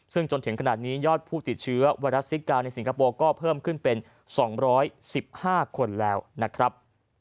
ซึ่งจนถึงขนาดนี้ยอดผู้ติดเชื้อไวรัสซิกาในสิงคโปร์ก็เพิ่มขึ้นเป็น๒๑๕คนแล้วนะครับ